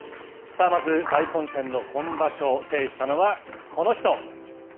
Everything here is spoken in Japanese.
さあ、まず大混戦の今場所、制したのはこの人。